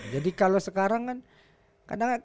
jadi kalau sekarang kan